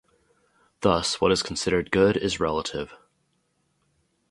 Thus, what is considered good is relative.